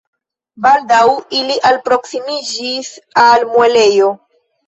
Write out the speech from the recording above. Baldaŭ ili alproksimiĝis al muelejo.